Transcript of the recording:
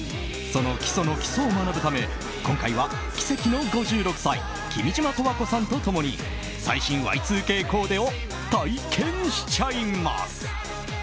その基礎の基礎を学ぶため今回は奇跡の５６歳君島十和子さんと共に最新Ｙ２Ｋコーデを体験しちゃいます。